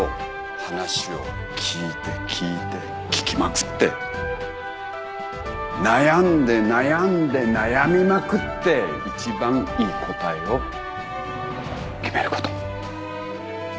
話を聞いて聞いて聞きまくって悩んで悩んで悩みまくって一番いい答えを決めること